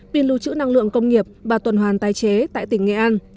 pin lưu trữ năng lượng công nghiệp và tuần hoàn tái chế tại tỉnh nghệ an